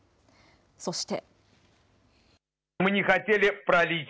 そして。